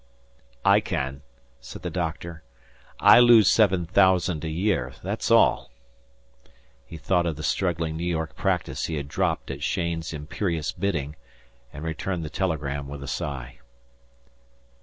"I can," said the doctor. "I lose seven thousand a year that's all." He thought of the struggling New York practice he had dropped at Cheyne's imperious bidding, and returned the telegram with a sigh.